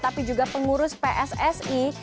tapi juga pengurus pssi